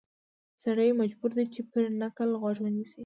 سړی مجبور دی چې پر نکل غوږ ونیسي.